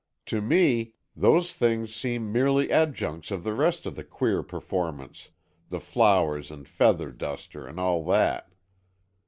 To me, those things seem merely adjuncts of the rest of the queer performance, the flowers and feather duster and all that."